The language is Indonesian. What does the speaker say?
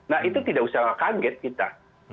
nah itu tidak usah kaget kita